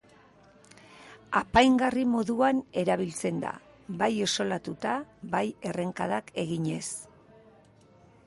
Apaingarri moduan erabiltzen da, bai isolatuta bai errenkadak eginez.